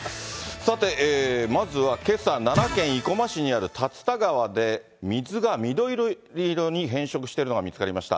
さて、まずはけさ、奈良県生駒市にある竜田川で、水が緑色に変色してるのが分かりました。